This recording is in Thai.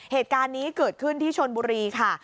เหตุการณ์นี้เกิดขึ้นที่ชนบุรีค่ะ